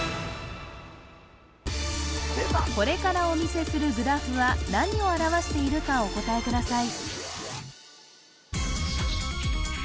これからお見せするグラフは何を表しているかお答えください